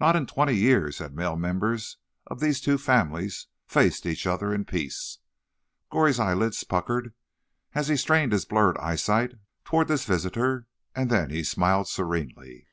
Not in twenty years had male members of these two families faced each other in peace. Goree's eyelids puckered as he strained his blurred sight toward this visitor, and then he smiled serenely.